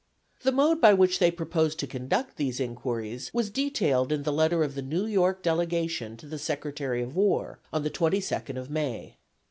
The mode by which they proposed to conduct these inquiries was detailed in the letter of the New York delegation to the Secretary of War on the 22d of May.